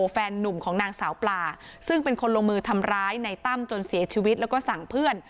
แฟนนุ่มของนางสาวปลาซึ่งเป็นคนลงมือทำร้ายในตั้มจนเสียชีวิตแล้วก็สั่งเพื่อน